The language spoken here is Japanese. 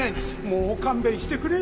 もう勘弁してくれよ。